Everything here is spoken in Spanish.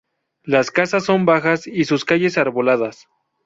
Las casas son bajas y sus calles arboladas.